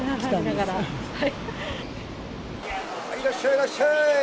いらっしゃい、いらっしゃい。